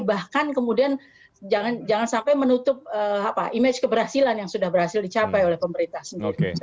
bahkan kemudian jangan sampai menutup image keberhasilan yang sudah berhasil dicapai oleh pemerintah sendiri